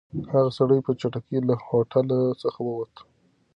هغه سړی په چټکۍ له هوټل څخه ووت.